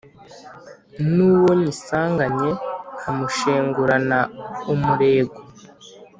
N’uwo nyisanganye nkamushengurana umurego,